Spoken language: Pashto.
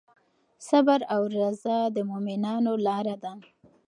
صبر او رضا د مؤمنانو لاره ده.